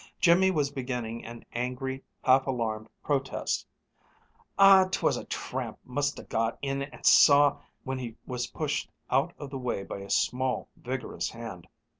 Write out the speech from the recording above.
Jimmy was beginning an angry, half alarmed protest "Aw, 'twas a tramp must ha' got in an' saw " when he was pushed out of the way by a small, vigorous hand.